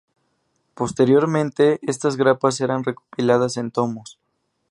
Posteriormente, estas grapas eran recopiladas en tomos.